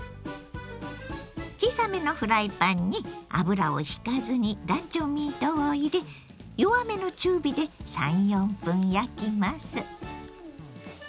小さめのフライパンに油をひかずにランチョンミートを入れ弱めの中火で３４分焼きます。